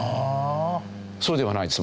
そうではないです